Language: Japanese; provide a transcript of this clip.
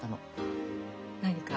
何か？